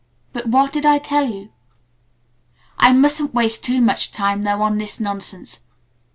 But what did I tell you? "I mustn't waste too much time, though, on this nonsense.